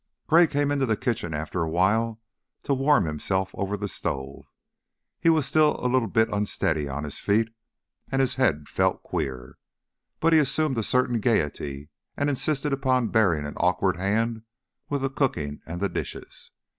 Gray came into the kitchen after a while to warm himself over the stove. He was still a little bit unsteady on his feet, and his head felt queer; but he assumed a certain gayety and insisted upon bearing an awkward hand with the cooking and the dishes.